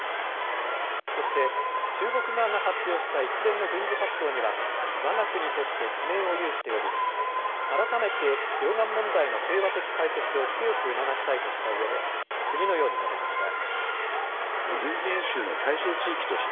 そして中国側が発表した一連の軍事活動にはわが国として懸念を有しており改めて両岸問題の平和的解決を強く促したいとしたうえで次のように述べました。